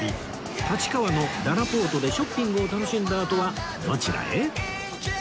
立川のららぽーとでショッピングを楽しんだあとはどちらへ？